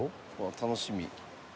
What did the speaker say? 楽しみ。